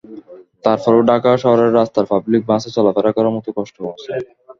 তারপরও ঢাকা শহরে রাস্তায় পাবলিক বাসে চলাফেরা করার মতো কষ্ট কমেছে।